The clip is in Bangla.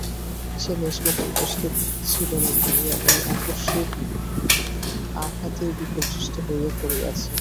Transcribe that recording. সে লেশমাত্র প্রস্তুত ছিল না বলিয়া এই আকস্মিক আঘাতেই বিপর্যস্ত হইয়া পড়িয়াছে।